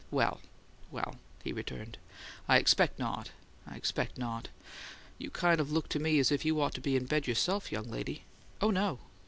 "Well, well," he returned; "I expect not; I expect not. You kind of look to me as if you ought to be in bed yourself, young lady." "Oh, no."